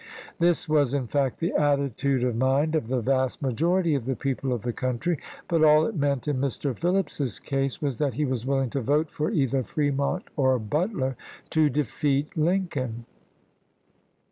This was, in fact, the attitude of mind of the vast majority of the people of the country ; but all it meant in Mr. Phillips's case was that he was willing to vote for either Fremont or Butler to defeat Lincoln.